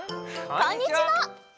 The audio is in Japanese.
こんにちは。